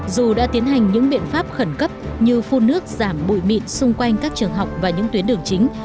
dù đã tiến hành những biện pháp khẩn cấp như phun nước giảm bụi mịn xung quanh các trường học và những tuyến đường chính